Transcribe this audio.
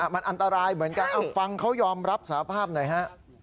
มันอันตรายเหมือนกันเอาฟังเขายอมรับสาภาพหน่อยฮะ